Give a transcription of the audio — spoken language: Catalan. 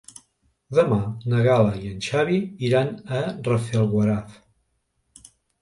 Demà na Gal·la i en Xavi iran a Rafelguaraf.